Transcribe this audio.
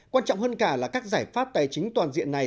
quan trọng hơn cả là các giải pháp tài chính toàn diện này